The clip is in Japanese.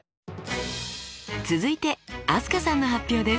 続いて飛鳥さんの発表です。